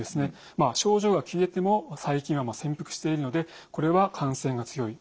症状が消えても細菌は潜伏しているのでこれは感染が強い。